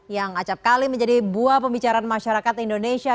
yang acapkali menjadi buah pembicaraan masyarakat indonesia